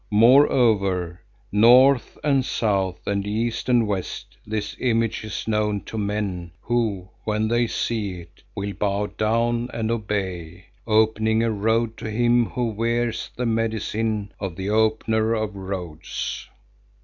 Moreover north and south and east and west this image is known to men who, when they see it, will bow down and obey, opening a road to him who wears the medicine of the Opener of Roads."